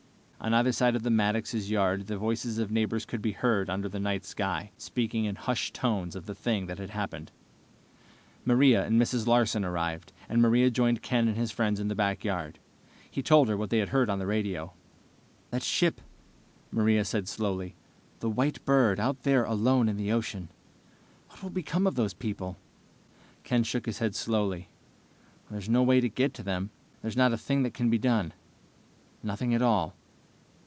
On either side of the Maddoxes' yard the voices of neighbors could be heard under the night sky, speaking in hushed tones of the thing that had happened. Maria and Mrs. Larsen arrived, and Maria joined Ken and his friends in the backyard. He told her what they had heard on the radio. "That ship ..." Maria said slowly. "The White Bird, out there alone in the ocean what will become of all those people?" Ken shook his head slowly. "There's no way to get to them. There's not a thing that can be done. Nothing at all."